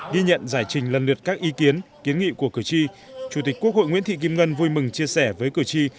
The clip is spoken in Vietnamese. ghi nhận giải trình lần lượt các ý kiến kiến nghị của cử tri chủ tịch quốc hội nguyễn thị kim ngân vui mừng chia sẻ với cử tri